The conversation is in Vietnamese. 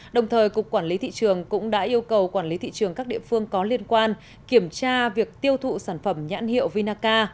đồng thời cục quản lý thị trường cũng đã yêu cầu quản lý thị trường các địa phương có liên quan kiểm tra việc tiêu thụ sản phẩm nhãn hiệu vinaca